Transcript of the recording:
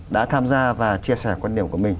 đã tham gia và chia sẻ quan điểm của mình